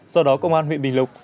do đó công an huyện bình lục